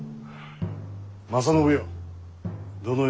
正信よ